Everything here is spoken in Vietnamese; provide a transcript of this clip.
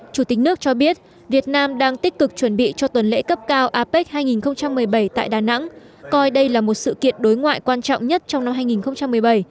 chủ tịch nước cho biết việt nam đang tích cực chuẩn bị cho tuần lễ cấp cao apec hai nghìn một mươi bảy tại đà nẵng coi đây là một sự kiện đối ngoại quan trọng nhất trong năm hai nghìn một mươi bảy